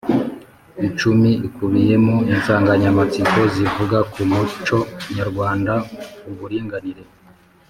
icumi ikubiyemo insanganyamatsiko zivuga ku muco nyarwanda, uburinganire